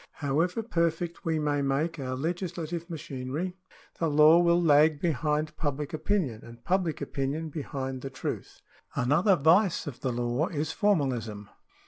However perfect we may make our legislative machinery, the law will lag behind public opinion, and public opinion behind the truth. Another vice of the law is formalism.